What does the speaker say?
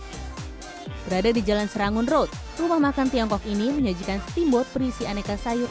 berada di jalan serangun road rumah makan tiongkok ini menyajikan steamboat berisi aneka sayur